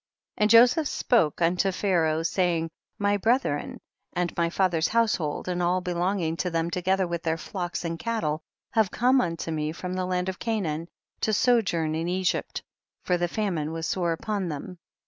21. And Joseph spoke unto Pha raoh, saying, my brethren and my father's household and all belonging to them together with their flocks and cattle have come unto me from the land of Canaan, to sojourn in Egypt ; for the famine was sore up on them.